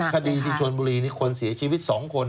คดีที่ชนบุรีคนเสียชีวิต๒คน